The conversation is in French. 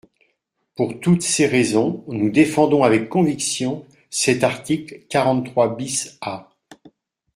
Pour toutes ces raisons, nous défendons avec conviction cet article quarante-trois bis A.